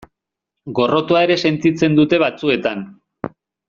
Gorrotoa ere sentitzen dute batzuetan.